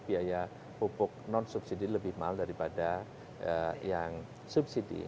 biaya pupuk non subsidi lebih mahal daripada yang subsidi